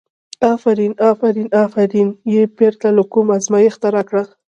افرین افرین، افرین یې پرته له کوم ازمېښته راکړه.